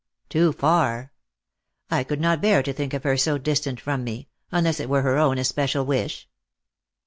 " Too far. I could not bear to think of her so distant from me, unless it were her own especial wish."